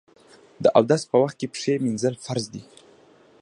د اودس په وخت کې پښې مینځل فرض دي.